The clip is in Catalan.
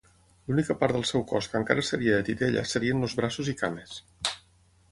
L'única part del seu cos que encara seria de titella serien els braços i cames.